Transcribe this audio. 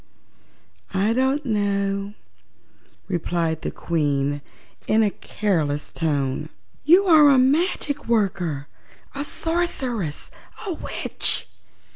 "I don't know," replied the Queen in a careless tone. "You are a magic worker, a sorceress, a witch!"